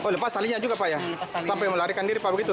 oh lepas talinya juga pak ya sampai melarikan diri pak begitu